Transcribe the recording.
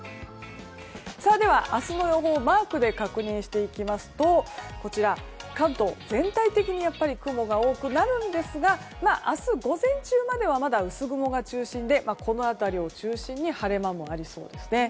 では、明日の予報をマークで確認していきますとこちら、関東全体的に雲が多くなるんですが明日午前中まではまだ薄雲が中心で晴れ間もありそうですね。